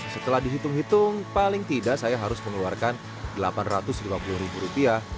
setelah dihitung hitung paling tidak saya harus mengeluarkan delapan ratus lima puluh ribu rupiah